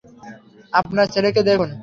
আপনার ছেলেকে দেখুন।